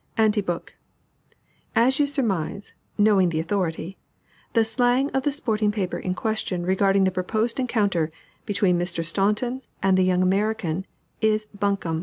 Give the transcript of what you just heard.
ANTI BOOK. As you surmise, "knowing the authority," the slang of the sporting paper in question regarding the proposed encounter between Mr. Staunton and the young American is "bunkum."